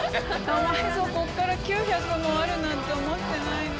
かわいそうこっから９００もあるなんて思ってないのに。